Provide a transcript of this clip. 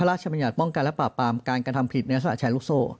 พระราชมัญญาตป้องกันและปราบปรามการการทำผิดในศาสตร์แชร์ลูกโซ่